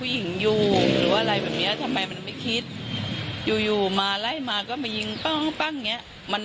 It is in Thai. อยู่หรืออะไรแบบเนี้ยทำไมมันไม่คิดอยู่อยู่มาไล่มาก็มายิงปั้งปั้งอย่างนี้มัน